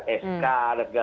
sk dan segala macam